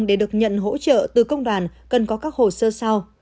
để được nhận hỗ trợ từ công đoàn cần có các hồ sơ sau